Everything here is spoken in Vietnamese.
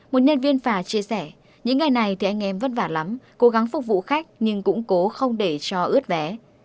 một nhân viên phà chia sẻ những ngày này thì anh em vất vả lắm cố gắng phục vụ khách nhưng cũng cố không để cho ướt vé